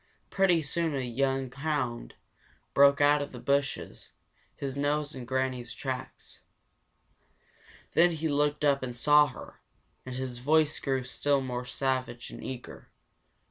Pretty soon a young hound broke out of the bushes, his nose in Granny's track. Then he looked up and saw her, and his voice grew still more savage and eager.